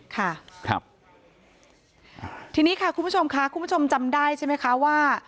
ค่ะครับทีนี้ค่ะคุณผู้ชมค่ะคุณผู้ชมจำได้ใช่ไหมคะว่า